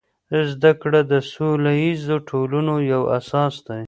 زده کړه د سوله ییزو ټولنو یو اساس دی.